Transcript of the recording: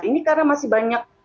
ini karena masih banyak